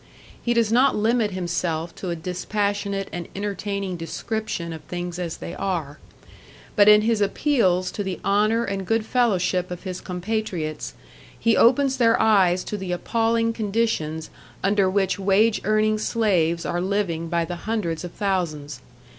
He does not limit himself to a dispassionate and entertaining description of things as they are. But in his appeals to the honour and good fellowship of his compatriots, he opens their eyes to the appalling conditions under which wage earning slaves are living by the hundreds of thousands.